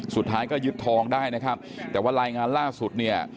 สุดท้ายก็ยึดทองได้นะครับแต่ว่ารายงานล่าสุดเนี่ย